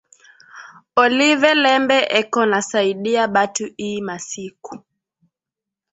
Olive lembe eko nasaidia batu iyi masiku